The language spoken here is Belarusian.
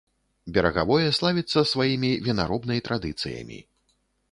Берагавое славіцца сваімі вінаробнай традыцыямі.